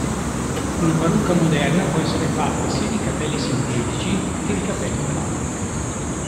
Una parrucca moderna può essere fatta sia di "capelli" sintetici che di capelli umani.